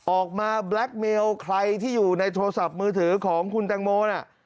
แบล็คเมลใครที่อยู่ในโทรศัพท์มือถือของคุณแตงโมน่ะ